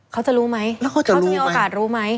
เขาจะรู้ไหมเขาจะมีโอกาสรู้ไหม